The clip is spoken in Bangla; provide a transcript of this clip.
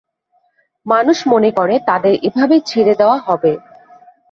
মানুষ মনে করে তাদের এভাবে ছেড়ে দেওয়া হবে।